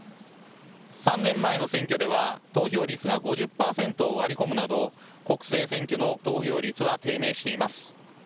３年前の選挙では投票率が５０％を割り込むなど国政選挙の投票率は低迷しています。